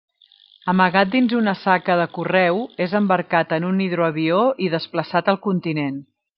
Amagat dins una saca de correu és embarcat en un hidroavió i desplaçat al continent.